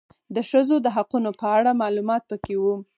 د ښځو د حقونو په اړه معلومات پکي و